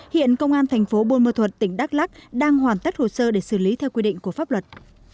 hiện công an thành phố buôn mơ thuật tỉnh đắk lắc đang hoàn tất hồ sơ để xử lý theo quy định của pháp luật